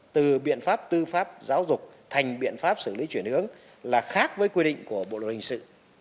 từ biện pháp tư pháp giáo dục thành biện pháp xử lý chuyển hướng là khác với quy định của bộ luật hình sự